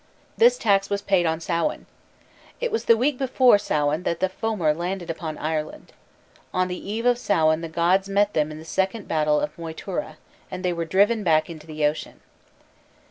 This tax was paid on Samhain. It was on the week before Samhain that the Fomor landed upon Ireland. On the eve of Samhain the gods met them in the second battle of Moytura, and they were driven back into the ocean.